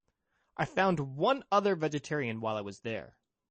I found one other vegetarian while I was there.